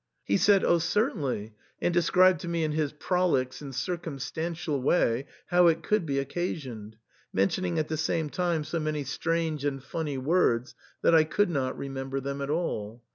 He said, " Oh> certainly !" and described to me in his prolix and cir cumstantial way how it could be occasioned, mention ing at the same time so many strange and funny worda that I could not remember them at all.